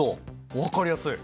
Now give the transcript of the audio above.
分かりやすい。